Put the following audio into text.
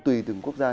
tùy từng quốc gia